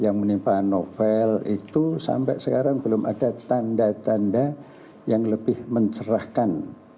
yang menimpa novel itu sampai sekarang belum ada tanda tanda yang lebih mencerahkan